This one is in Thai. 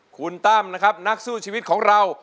คุณตั้มนะครับนักสู้ชีวิตของเรา